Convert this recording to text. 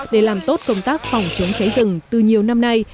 để làm tốt công tác phòng chống cháy rừng từ nhiều năm nay